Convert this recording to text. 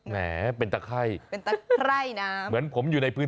แหมเป็นตะไคร่นะ